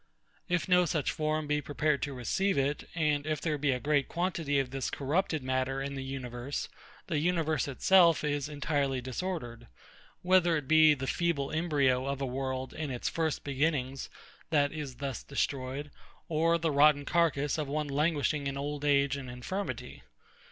If no such form be prepared to receive it, and if there be a great quantity of this corrupted matter in the universe, the universe itself is entirely disordered; whether it be the feeble embryo of a world in its first beginnings that is thus destroyed, or the rotten carcass of one languishing in old age and infirmity.